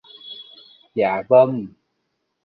Dạ vâng